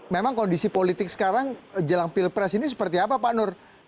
memang kondisi politik sekarang jelang pilpres ini seperti apa pak nur